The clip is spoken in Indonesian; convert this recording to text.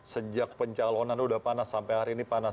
sejak pencalonan sudah panas sampai hari ini panas